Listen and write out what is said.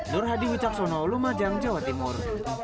nur hadi wicaksono lumajang jawa timur